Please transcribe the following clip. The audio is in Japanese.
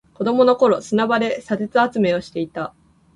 子供の頃、砂場で砂鉄集めをしていた。